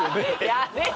やめて！